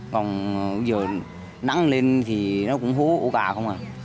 còn giờ nắng lên thì nó cũng hố ổ gà không à